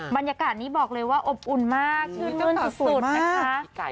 บรรยากาศนี้บอกเลยว่าอบอุ่นมากชื่นมื้นสุดนะคะ